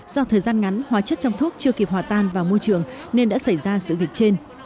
do thời gian ngắn hóa chất trong thuốc chưa kịp hòa tan vào môi trường nên đã xảy ra sự việc trên